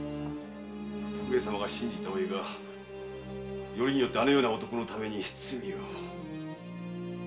上様が信じたお栄がよりによってあのような男のために罪を。